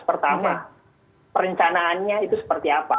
pertama perencanaannya itu seperti apa